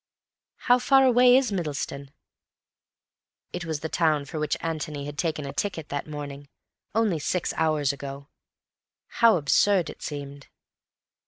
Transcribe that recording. "How far away is Middleston?" It was the town for which Antony had taken a ticket that morning—only six hours ago. How absurd it seemed.